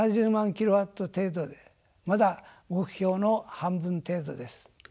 キロワット程度でまだ目標の半分程度です。